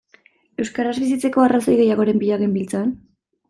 Euskaraz bizitzeko arrazoi gehiagoren bila genbiltzan?